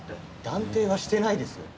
断定はしてないですよ。